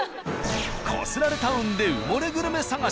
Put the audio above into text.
こすられタウンで埋もれグルメ探し。